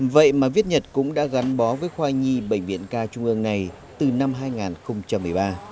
vậy mà viết nhật cũng đã gắn bó với khoa nhi bệnh viện ca trung ương này từ năm hai nghìn một mươi ba